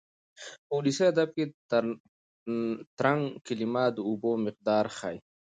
په ولسي ادب کې د ترنګ کلمه د اوبو مقدار ښيي.